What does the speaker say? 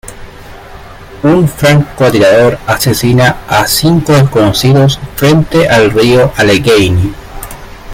Un francotirador asesina a cinco desconocidos frente al río Allegheny.